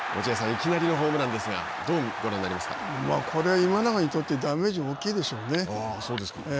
いきなりのホームランですがこれは今永にとってダメージ大きいでしょうね。